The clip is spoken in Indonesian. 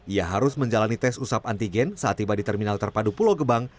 ia harus menjalani tes usap antigen saat tiba di terminal terpadu pulau gebang